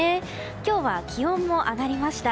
今日は気温も上がりました。